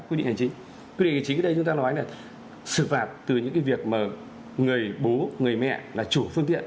quy định hành chính ở đây chúng ta nói là sự phạt từ những việc mà người bố người mẹ là chủ phương tiện